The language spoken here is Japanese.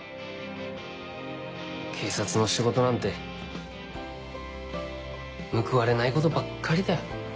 警察の仕事なんて報われないことばっかりだよ。